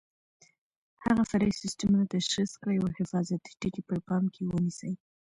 هغه فرعي سیسټمونه تشخیص کړئ او حفاظتي ټکي په پام کې ونیسئ.